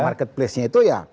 marketplace nya itu ya